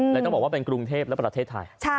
ต้องบอกว่าเป็นกรุงเทพและประเทศไทย